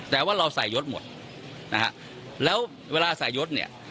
แต่ว่าเราใส่ยศหมดแล้วเวลาใส่ยศ